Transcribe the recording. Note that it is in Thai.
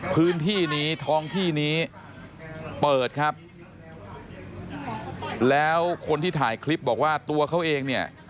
พื้นที่นี้ท้องที่นี้เปิดครับแล้วคนที่ถ่ายคลิปบอกว่าตัวเขาเองเนี่ย